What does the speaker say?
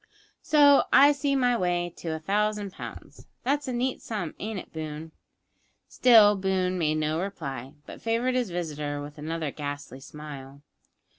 So I see my way to a thousand pounds. That's a neat sum, ain't it, Boone?" Still Boone made no reply, but favoured his visitor with another ghastly smile.